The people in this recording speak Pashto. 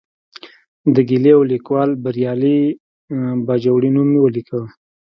د ګیلې او لیکوال بریالي باجوړي نوم مې ولیکه.